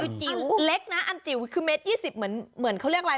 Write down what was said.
อุ้ยยยิืนแต่ลักนะ๑๒๒๐เหมือนเค้าเรียกอะไร